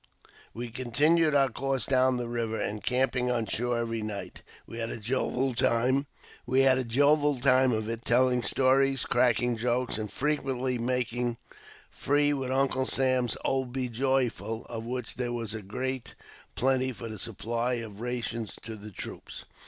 We continued our course down the river, encamping on shore every night. We had a jovial time of it, telling stories, cracking jokes, and frequently making free with Uncle Sam's '* be joyful," of which there was great plenty for the supply of rations to the troops.